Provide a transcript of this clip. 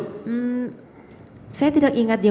hmm saya tidak ingat dia